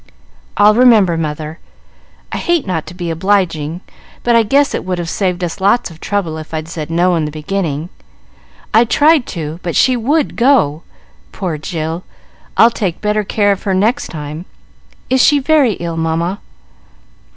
"I'll remember, mother. I hate not to be obliging, but I guess it would have saved us lots of trouble if I'd said No in the beginning. I tried to, but she would go. Poor Jill! I'll take better care of her next time. Is she very ill, Mamma?"